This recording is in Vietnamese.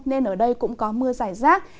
nên ở đây cũng có mưa rải rác